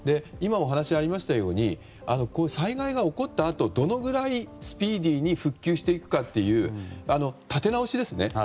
今お話がありましたように災害が起こったあとどのぐらいスピーディーに復旧していくかという立て直しですね。